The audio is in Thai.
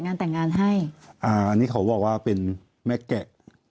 เขาว่าเป็นแม่แก่